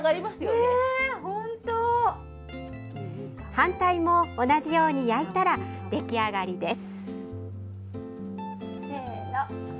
反対も同じように焼いたら出来上がりです。